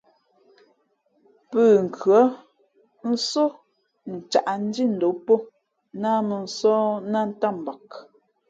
Pʉ̂nkhʉ̄ᾱ nsō ncǎʼ ndhí ndǒm pó náh mᾱ nsóh nát ntám mbak.